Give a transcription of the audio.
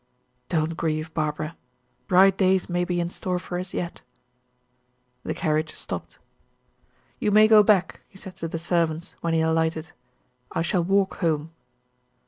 "Don't grieve, Barbara. Bright days may be in store for us yet." The carriage stopped. "You may go back," he said to the servants, when he alighted. "I shall walk home."